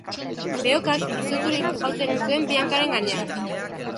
Behokak, izuturik, jauzi egin zuen bi hankaren gainean.